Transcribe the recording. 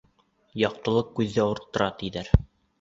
— Яҡтылыҡ күҙҙе ауырттыра, тиҙәр.